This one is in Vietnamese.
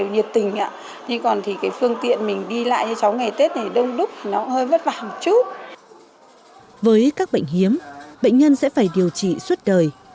với các bệnh hiếm bệnh nhân sẽ phải điều trị suốt đời